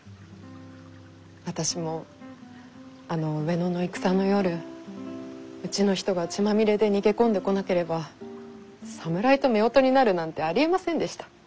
私もあの上野の戦の夜うちの人が血まみれで逃げ込んでこなければ侍とめおとになるなんてありえませんでした。